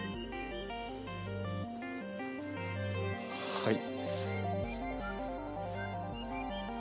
はい。